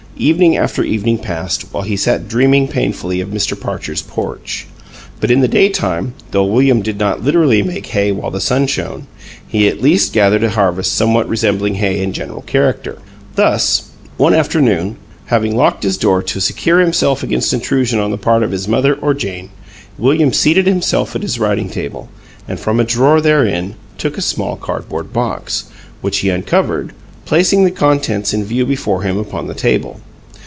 Evening after evening passed, while he sat dreaming painfully of Mr. Parcher's porch; but in the daytime, though William did not literally make hay while the sun shone, he at least gathered a harvest somewhat resembling hay in general character. Thus: One afternoon, having locked his door to secure himself against intrusion on the part of his mother or Jane, William seated himself at his writing table, and from a drawer therein took a small cardboard box, which he uncovered, placing the contents in view before him upon the table.